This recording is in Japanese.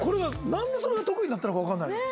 なんでそれが得意になったのかわかんないの。